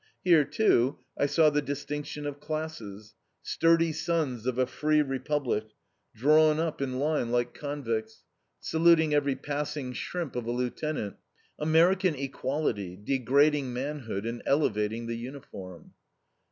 Here, too, I saw the distinction of classes: sturdy sons of a free Republic, drawn up in line like convicts, saluting every passing shrimp of a lieutenant. American equality, degrading manhood and elevating the uniform!